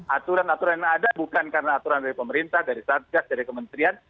aturan aturan yang ada bukan karena aturan dari pemerintah dari satgas dari kementerian